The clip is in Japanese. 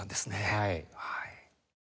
はい。